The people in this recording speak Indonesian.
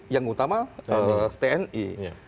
yang utama tni